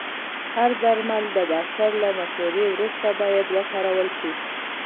هر درمل د ډاکټر له مشورې وروسته باید وکارول شي.